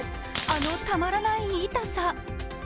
あのたまらない痛さ。